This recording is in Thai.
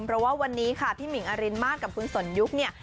เพราะว่าวันนี้ค่ะพี่หมิ่งอรินมาสกับคุณสนยุคเนี่ย